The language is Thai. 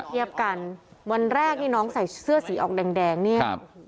เทียบกันวันแรกนี่น้องใส่เสื้อสีออกแดงเนี่ย